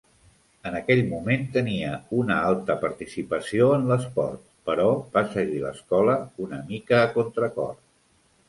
En aquell moment, tenia una alta participació en l'esport, però va seguir l'escola una mica a contracor.